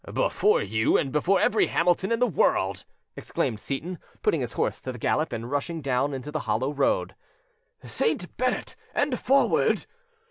"Before you and before every Hamilton in the world!" exclaimed Seyton, putting his horse to the gallop and rushing down into the hollow road— "Saint Bennet! and forward!"